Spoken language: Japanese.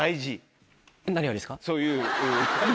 そういう。